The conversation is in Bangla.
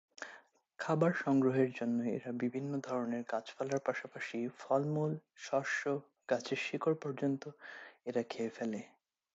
খাবার সংগ্রহের জন্য এরা বিভিন্ন ধরনের গাছপালার পাশাপাশি ফলমূল, শস্য, গাছের শিকড় পর্যন্ত এরা খেয়ে ফেলে।